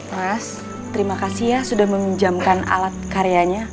mas terima kasih ya sudah meminjamkan alat karyanya